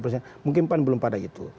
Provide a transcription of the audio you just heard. mungkin pan belum pada itu